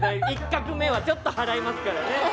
１画目はちょっと払いますからね。